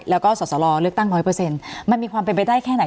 แล้วก็สอสรอเลือกตั้งน้อยเปอร์เซ็นต์มันมีความเป็นไปได้แค่ไหน